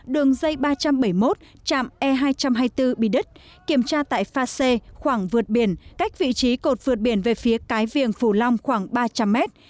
đường dây ba trăm bảy mươi một trạm e hai trăm hai mươi bốn bị đứt kiểm tra tại pha xê khoảng vượt biển cách vị trí cột vượt biển về phía cái viềng phủ long khoảng ba trăm linh mét